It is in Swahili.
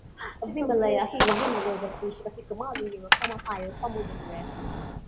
vimelea hivyo vinaweza kuishi katika mazingira kama hayo kwa muda mrefu